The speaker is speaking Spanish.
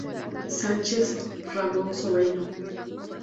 Sanchez, Ramon Sobrino.